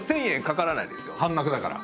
半額だから？